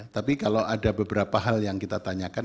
tapi kalau ada beberapa hal yang kita tanyakan